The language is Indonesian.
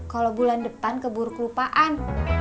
kalau bulan depan keburu kelupaan